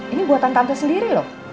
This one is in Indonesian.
ini buatan tante sendiri loh